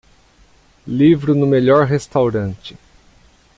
livro no melhor restaurante